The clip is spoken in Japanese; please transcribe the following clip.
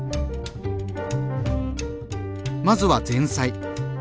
まずは前菜。